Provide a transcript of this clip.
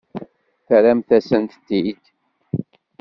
Terramt-asen-t-id.